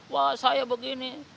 wah saya begini